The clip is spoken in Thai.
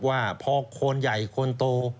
ว่าพอคนใหญ่คนโต